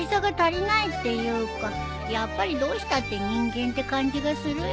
やっぱりどうしたって人間って感じがするよ。